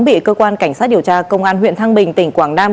bị cơ quan cảnh sát điều tra công an huyện thăng bình tỉnh quảng nam